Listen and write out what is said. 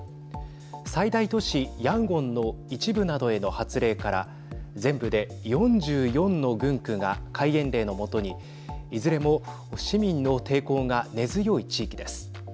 最大都市ヤンゴンの一部などへの発令から全部で４４の群区が戒厳令の下にいずれも市民の抵抗が根強い地域です。